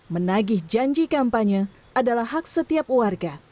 menagih janji kampanye adalah hak setiap warga